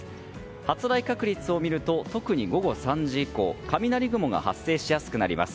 発雷確率を見ると特に午後３時以降雷雲が発生しやすくなります。